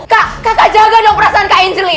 kak kak jaga dong perasaan kak angeli